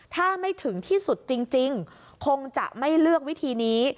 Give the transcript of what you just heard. ถ้าไม่ถึงที่สุดจริงคงจะไม่เลือกวิธีนี้